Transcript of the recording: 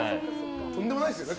とんでもないですよね。